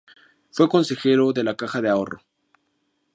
Fue consejero de la Caja de Ahorro.